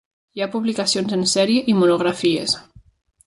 Hi ha publicacions en sèrie i monografies.